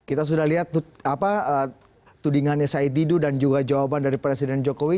kita sudah lihat tudingannya said didu dan juga jawaban dari presiden jokowi